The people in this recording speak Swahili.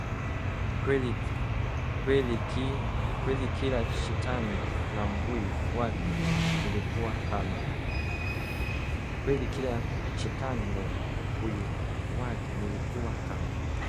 Kweli kila shetani na mbuyu wake nilikuwa kama